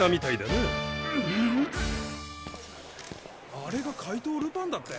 あれが怪盗ルパンだって？